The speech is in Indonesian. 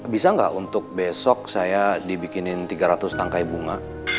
bisa nggak untuk besok saya dibikinin tiga ratus tangkai bunga